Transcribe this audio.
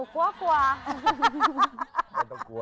หนูกลัว